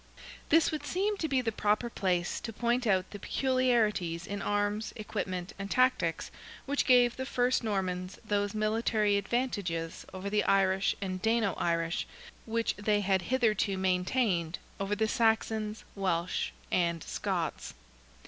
This would seem to be the proper place to point out the peculiarities in arms, equipment, and tactics, which gave the first Normans those military advantages over the Irish and Dano Irish, which they had hitherto maintained over the Saxons, Welsh and Scots.